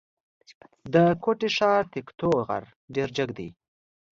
د کوټي ښار تکتو غر ډېر جګ دی.